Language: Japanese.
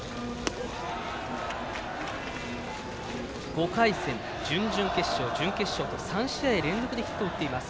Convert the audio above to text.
５回戦、準々決勝、準決勝と３試合連続でヒットを打っています。